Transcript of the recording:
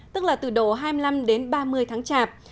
tức là từ độ hai mươi năm đến ba mươi tháng chạp